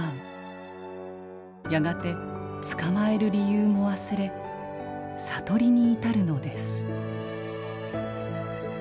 やがて捕まえる理由も忘れ悟りに至るのです